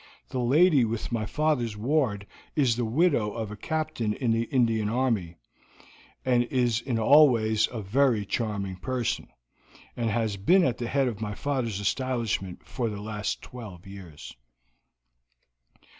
The lady with my father's ward is the widow of a captain in the Indian Army, and is in all ways a very charming person, and has been at the head of my father's establishment for the last twelve years."